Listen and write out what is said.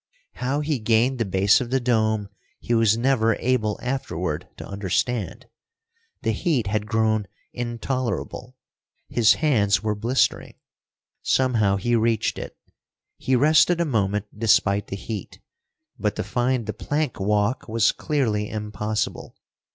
How he gained the base of the dome he was never able afterward to understand. The heat had grown intolerable; his hands were blistering. Somehow he reached it. He rested a moment despite the heat. But to find the plank walk was clearly impossible.